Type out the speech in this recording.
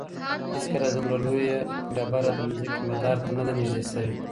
هیڅکله دومره لویه ډبره د ځمکې مدار ته نه ده نږدې شوې.